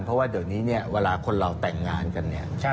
เพราะว่าเดี๋ยวนี้เนี่ยเวลาคนเราแต่งงานกันเนี่ย